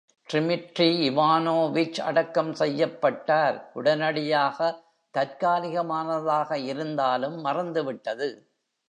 Dmitry Ivanovich அடக்கம் செய்யப்பட்டார் உடனடியாக, தற்காலிகமானதாக இருந்தாலும் மறந்துவிட்டது.